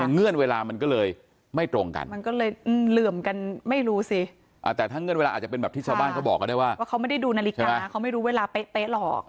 เงื่อนเวลามันก็เลยไม่ตรงกันมันก็เลยเหลื่อมกันไม่รู้สิแต่ถ้าเงื่อนเวลาอาจจะเป็นแบบที่ชาวบ้านเขาบอกกันได้ว่าว่าเขาไม่ได้ดูนาฬิกาเขาไม่รู้เวลาเป๊ะหรอก